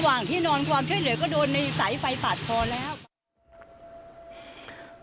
นอนที่นอนความช่วยเหลือก็โดนในสายไฟปาดคอแล้ว